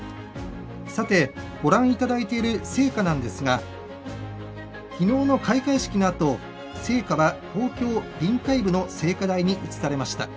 さて、ご覧いただいている聖火なんですがきのうの開会式のあと聖火は東京臨海部の聖火台に移されました。